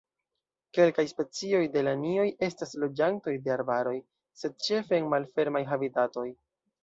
Kelkaj specioj de lanioj estas loĝantoj de arbaroj, sed ĉefe en malfermaj habitatoj.